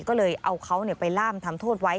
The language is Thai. ก็เลยเอาเขาไปล่ามทำโทษไว้